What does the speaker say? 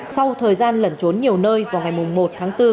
sau thời gian lẩn trốn nhiều nơi vào ngày một tháng bốn